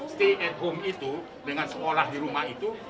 stay at home itu dengan sekolah di rumah itu